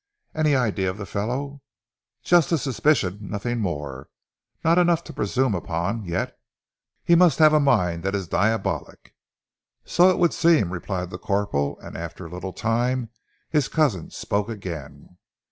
"Any idea of the fellow?" "Just a suspicion, nothing more. Not enough to presume upon yet!" "He must have a mind that is diabolic." "So it would seem!" replied the corporal, and after a little time his cousin spoke again.